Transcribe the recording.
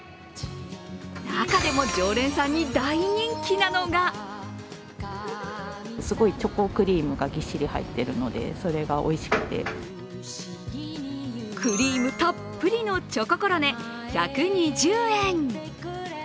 中でも常連さんに大人気なのがクリームたっぷりのチョココロネ、１２０円。